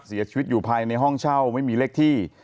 เสียชีวิตอยู่ภายในห้องเช่าไม่มีเลขที่